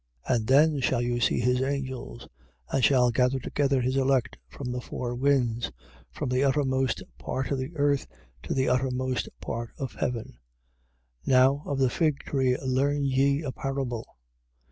13:27. And then shall he send his angels and shall gather together his elect from the four winds, from the uttermost part of the earth to the uttermost part of heaven. 13:28. Now of the fig tree learn ye a parable.